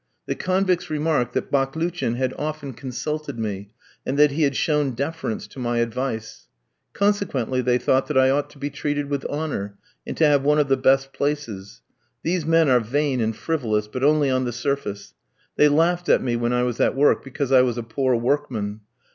The convicts remarked that Baklouchin had often consulted me, and that he had shown deference to my advice. Consequently they thought that I ought to be treated with honour, and to have one of the best places. These men are vain and frivolous, but only on the surface. They laughed at me when I was at work, because I was a poor workman.